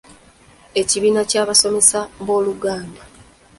Ekibiina ky’Abasomesa b’Oluganda,